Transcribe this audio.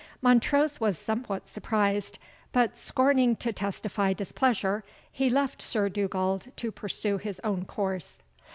Montrose was somewhat surprised, but scorning to testify displeasure, he left Sir Dugald to pursue his own course.